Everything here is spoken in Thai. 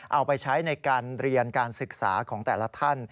เอาไปใช้ในการเรียนการศึกษาของแต่ละท่าน